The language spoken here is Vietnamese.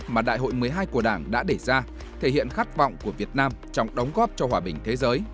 mà đại hội một mươi hai của đảng đã để ra thể hiện khát vọng của việt nam trong đóng góp cho hòa bình thế giới